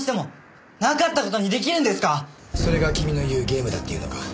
それが君の言うゲームだっていうのか？